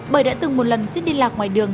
bởi đã từng một lần suy đi lạc ngoài đường